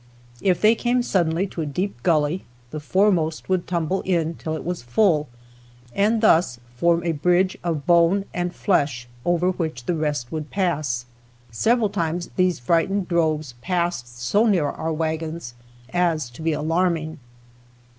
If they came suddenly to a deep gully the foremost would tumble in till it was full, and thus form a bridge of bone and flesh over which the rest would pass. Several times these frightened droves passed so near our wagons as to be alarming.